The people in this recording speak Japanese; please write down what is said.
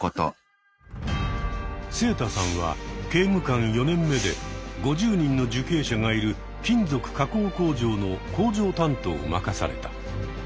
セイタさんは刑務官４年目で５０人の受刑者がいる金属加工工場の「工場担当」を任された。